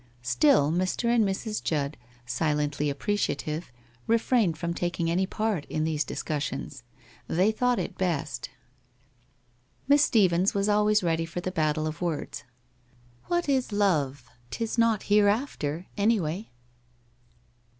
Still Mr. and Mrs. Judd, silently appreciative, refrained from taking any part in these dis cussions. They thought it best. WHITE ROSE OF WEARY LEAF 89 Miss Stephens was always ready for the battle of words. ' Wliat is Love? 'Tis not hereafter— any way?